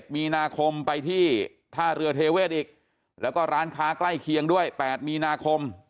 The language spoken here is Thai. มีนาคมไปที่ท่าเรือเทเวศอีกแล้วก็ร้านค้าใกล้เคียงด้วย๘มีนาคม